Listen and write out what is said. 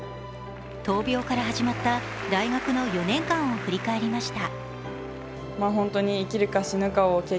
闘病から始まった大学の４年間を振り返りました。